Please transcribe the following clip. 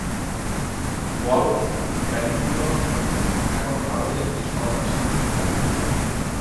বল badminton এখন ভারতের একটি সরকার স্বীকৃত খেলা।